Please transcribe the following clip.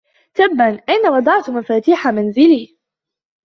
تبا ، أين وضعت مفاتيح منزلي ؟